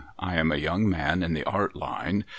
I am a young man in the Art line.